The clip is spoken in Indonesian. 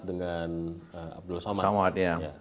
dengan abdul samad